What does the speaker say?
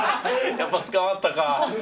やっぱつかまったか。